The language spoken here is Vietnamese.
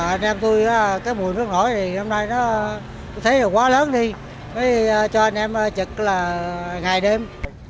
anh em tôi cái mùi nước nổi thì hôm nay nó thấy là quá lớn đi mới cho anh em trực là ngày đêm